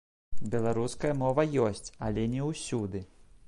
Беларуская мова ёсць, але не ўсюды.